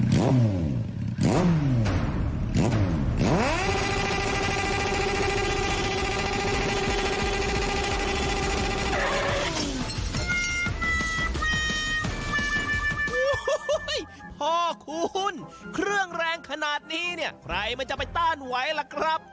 โอ้โหพ่อคุณเครื่องแรงขนาดนี้เนี่ยใครมันจะไปต้านไหวล่ะครับ